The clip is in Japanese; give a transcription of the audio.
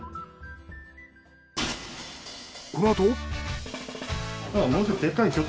このあと。